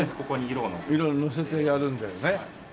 色をのせてやるんだよね。